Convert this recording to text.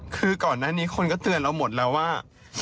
คือก่อนหน้านี้คนก็เตือนเราหมดแล้วว่า